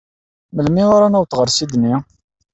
Melmi ara naweḍ ɣer Sydney?